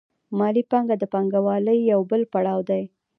مالي پانګه د پانګوالۍ یو بل پړاو دی